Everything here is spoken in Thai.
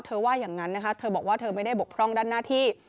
ว่าอย่างนั้นนะคะเธอบอกว่าเธอไม่ได้บกพร่องด้านหน้าที่